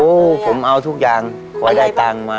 โอ้ผมเอาทุกอย่างขอได้กลางมา